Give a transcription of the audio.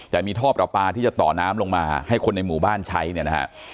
แต่มีท่อประปาที่จะต่อน้ำลงมาให้คนในหมู่บ้านใช้เนี่ยนะฮะ